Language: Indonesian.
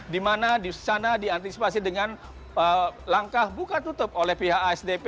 dimana disana diantisipasi dengan langkah buka tutup oleh pihak asdp